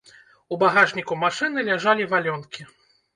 У багажніку машыны ляжалі валёнкі.